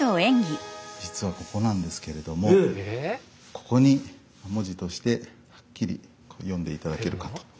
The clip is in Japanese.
実はここなんですけれどもここに文字としてはっきり読んでいただけるかと。